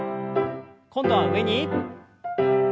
今度は上に。